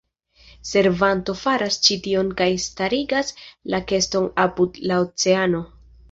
Servanto faras ĉi tion kaj starigas la keston apud la oceano.